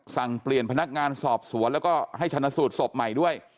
สั่งเปลี่ยนพนักงานสอบสวนแล้วก็ให้ชนะสูตรศพใหม่ด้วย